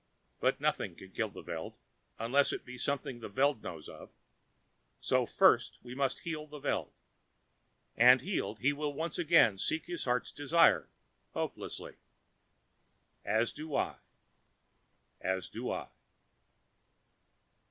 But nothing can kill the Veld, unless it be something the Veld knows of. So first we must heal the Veld. And healed he will once again seek his heart's desire, hopelessly. As do I. As do I.